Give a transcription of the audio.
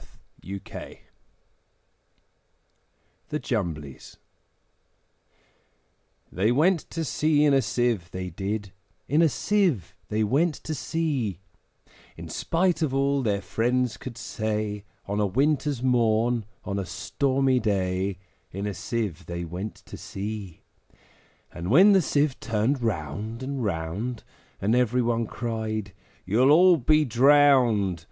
Edward Lear The Jumblies THEY went to sea in a Sieve, they did, In a Sieve they went to sea: In spite of all their friends could say, On a winter's morn, on a stormy day, In a Sieve they went to sea! And when the Sieve turned round and round, And every one cried, `You'll all be drowned!'